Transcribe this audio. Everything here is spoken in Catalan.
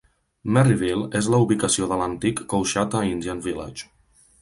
Merryville és la ubicació de l'antic Coushatta Indian village.